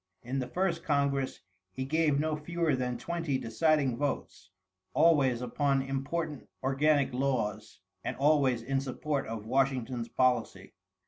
In the first congress, he gave no fewer than twenty deciding votes, always upon important organic laws, and always in support of Washington's policy.